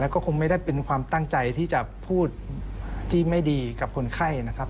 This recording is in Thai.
ก็คงไม่ได้เป็นความตั้งใจที่จะพูดที่ไม่ดีกับคนไข้นะครับ